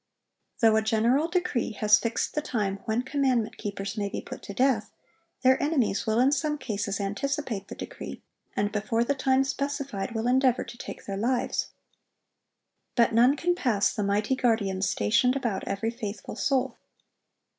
Though a general decree has fixed the time when commandment keepers may be put to death, their enemies will in some cases anticipate the decree, and before the time specified, will endeavor to take their lives. But none can pass the mighty guardians stationed about every faithful soul.